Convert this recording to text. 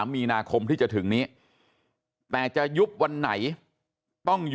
มีนาคมที่จะถึงนี้แต่จะยุบวันไหน